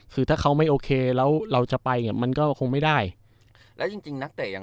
คือถ้าเขาไม่โอเคแล้วเราจะไปเนี่ยมันก็คงไม่ได้แล้วจริงจริงนักเตะอย่าง